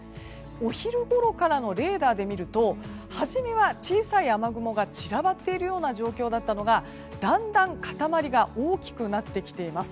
お昼ごろからのレーダーで見ると初めは小さい雨雲が散らばっているような状況だったのがだんだん塊が大きくなってきています。